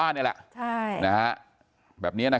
กลุ่มตัวเชียงใหม่